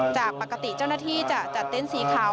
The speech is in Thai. จากปกติเจ้าหน้าที่จะจัดเต็นต์สีขาว